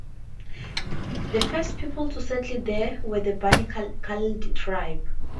The first people to settle there were the Bani Khaled tribe.